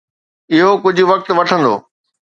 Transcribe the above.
اهو ڪجهه وقت وٺندو.